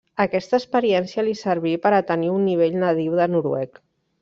Aquesta experiència li serví per a tenir un nivell nadiu de noruec.